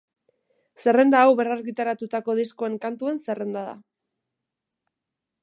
Zerrenda hau berrargitaratutako diskoen kantuen zerrenda da.